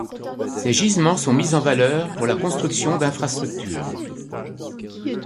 Ces gisements sont mis en valeur pour la construction d'infrastructures.